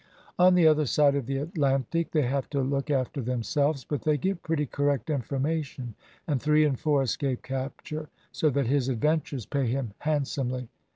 On the other side of the Atlantic, they have to look after themselves, but they get pretty correct information, and three in four escape capture, so that his adventures pay him handsomely.